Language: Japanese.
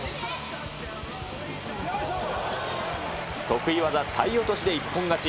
得意技、体落としで一本勝ち。